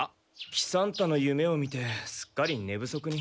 喜三太の夢を見てすっかりね不足に。